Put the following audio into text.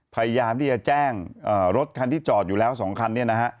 พยายามที่จะแจ้งรถคันที่จอดอยู่แล้ว๒คันเนี่ยนะฮะ